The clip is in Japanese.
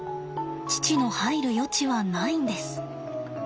父の入る余地はないんです。